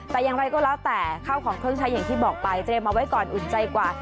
แต่อย่างไรก็แล้วแต่ข้าวของเครื่องใช้อย่างที่บอกไปเตรียมเอาไว้ก่อนอุ่นใจกว่า